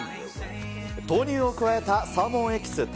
豆乳を加えたサーモンエキス